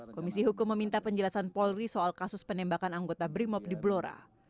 komisi hukum meminta penjelasan polri soal kasus penembakan anggota brimob di blora